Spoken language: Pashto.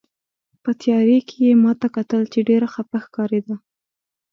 په تیارې کې یې ما ته کتل، چې ډېره خپه ښکارېده.